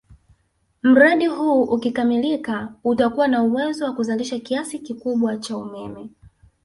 Mradi huu ukikamilika utakuwa na uwezo wa kuzalisha kiasi kikubwa cha umeme